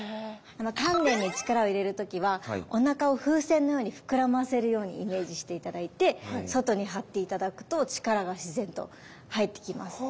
丹田に力を入れるときはおなかを風船のように膨らませるようにイメージして頂いて外に張って頂くと力が自然と入ってきます